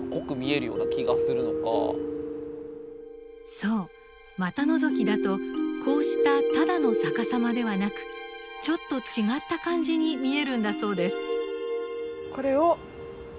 そう股のぞきだとこうしたただの逆さまではなくちょっと違った感じに見えるんだそうです。